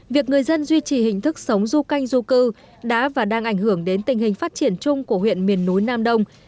việc người dân duy trì hình thức sống du canh du cư đã và đang ảnh hưởng đến tình hình phát triển chung của huyện miền núi nam đông